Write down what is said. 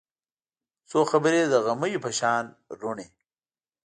څو خبرې د غمیو په شان روڼې